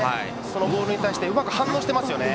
そのボールに対してうまく反応していますね。